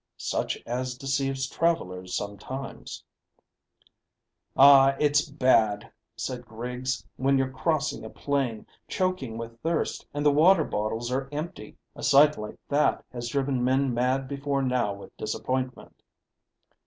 "Such as deceives travellers sometimes." "Ah, it's bad," said Griggs, "when you're crossing a plain, choking with thirst, and the water bottles are empty. A sight like that has driven men mad before now with disappointment."